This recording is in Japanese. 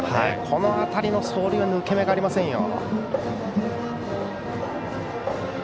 この辺りの走塁は抜け目がありませんよ。